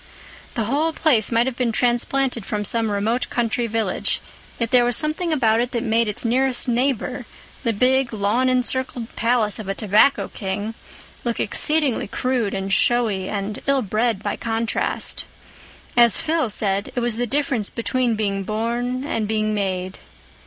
The whole place might have been transplanted from some remote country village; yet there was something about it that made its nearest neighbor, the big lawn encircled palace of a tobacco king, look exceedingly crude and showy and ill bred by contrast. As Phil said, it was the difference between being born and being made.